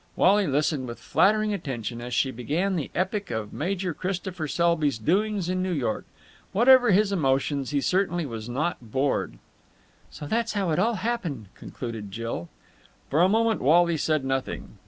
Wally listened with flattering attention as she began the epic of Major Christopher Selby's doings in New York. Whatever his emotions, he certainly was not bored. "So that's how it all happened," concluded Jill. For a moment Wally said nothing.